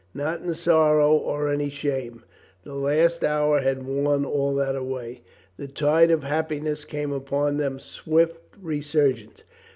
Not in sorrow or any shame. The last hour had worn all that away. The tide of happiness came upon them swift resurgent.